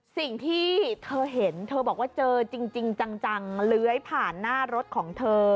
สิ่งที่เธอเห็นเธอบอกว่าเจอจริงจังเลื้อยผ่านหน้ารถของเธอ